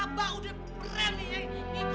abah udah berani yang gitu